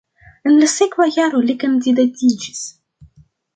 En la sekva jaro li kandidatiĝis.